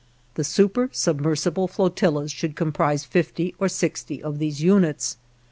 The supersubmersible flotillas should comprise fifty or sixty of these units.